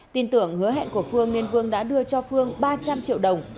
tin tưởng hứa hẹn của phương nên vương đã đưa cho phương ba trăm linh triệu đồng